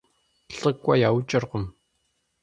ЛӀыкӀуэ яукӀыркъым.